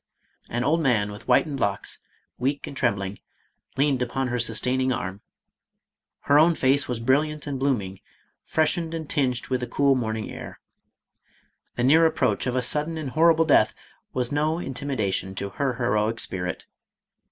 An old man with whitened locks, weak and trembling, leaned upon her sustaining arm. Her own face was brilliant and blooming, freshened and tinged with the cool morning air. The near approach of a sudden and horrible death was no intimidation to her heroic spirit.